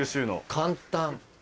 簡単。